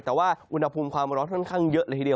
แต่ว่าอุณหภูมิความร้อนค่อนข้างเยอะเลยทีเดียว